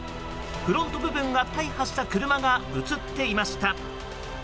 フロント部分が大破した車が映っていました。